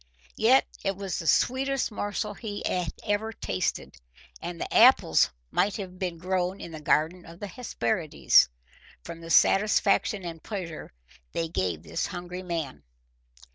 Yet it was the sweetest morsel he had ever tasted, and the apples might have been grown in the garden of the Hesperides from the satisfaction and pleasure they gave this hungry man.